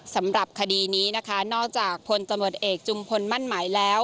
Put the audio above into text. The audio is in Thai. สำหรับคดีนี้นะคะนอกจากพลตำรวจเอกจุมพลมั่นหมายแล้ว